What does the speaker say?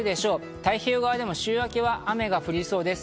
太平洋側でも週明けは雨が降りそうです。